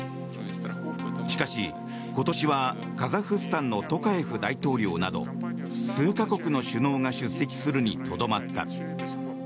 しかし、今年はカザフスタンのトカエフ大統領など数か国の首脳が出席するにとどまった。